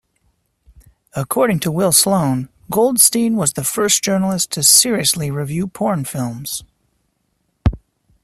According to Will Sloan, "Goldstein was the first journalist to seriously review porn films.